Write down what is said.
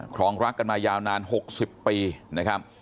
รองรักกันมายาวนาน๖๐ปีนะครับ